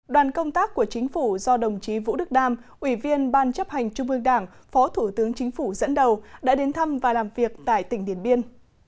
đoàn công tác của chính phủ do đồng chí vũ đức đam ủy viên ban chấp hành trung ương đảng phó thủ tướng chính phủ dẫn đầu đã đến thăm và làm việc tại tỉnh điện biên